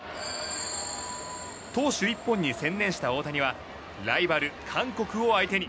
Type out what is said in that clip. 投手一本に専念した大谷はライバル韓国を相手に。